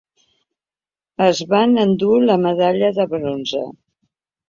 Es van endur la medalla de bronze.